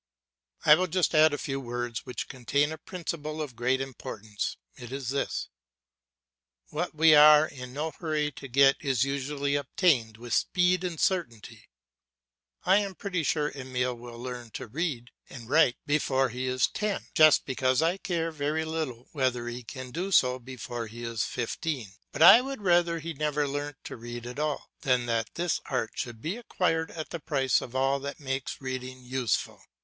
I will just add a few words which contain a principle of great importance. It is this What we are in no hurry to get is usually obtained with speed and certainty. I am pretty sure Emile will learn to read and write before he is ten, just because I care very little whether he can do so before he is fifteen; but I would rather he never learnt to read at all, than that this art should be acquired at the price of all that makes reading useful.